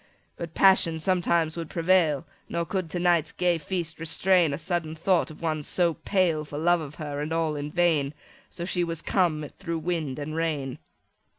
25 But passion sometimes would prevail, Nor could to night's gay feast restrain A sudden thought of one so pale For love of her, and all in vain: So, she was come through wind and rain.